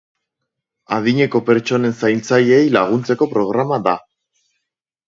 Adineko pertsonen zaintzaileei laguntzeko programa da.